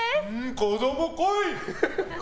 子供来い！